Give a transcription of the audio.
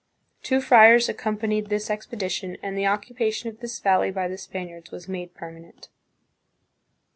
Two friars accompanied this expedition and the occupation of this valley by the Span iards was made permanent.